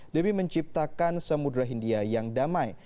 demi menciptakan semudera india yang damai